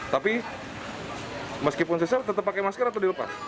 tapi meskipun sesel tetap pakai masker atau dilepas